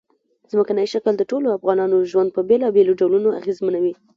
ځمکنی شکل د ټولو افغانانو ژوند په بېلابېلو ډولونو اغېزمنوي.